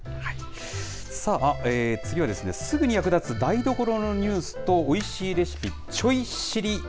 次は、すぐに役立つ台所のニュースと、おいしいレシピ、ちょい知り！